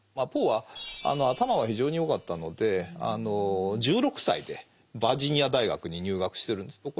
ポーは頭は非常に良かったので１６歳でバージニア大学に入学してるんです。